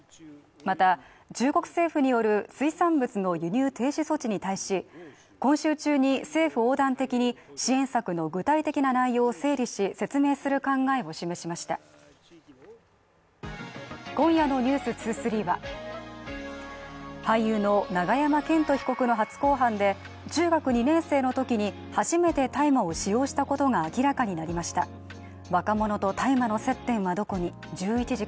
また中国政府による水産物の輸入停止措置に対し今週中に政府横断的に支援策の具体的な内容を整理し説明する考えを示しました今夜の「ｎｅｗｓ２３」は俳優の永山絢斗被告の初公判で中学２年生の時に初めて大麻を使用したことが明らかになりましたえっ！！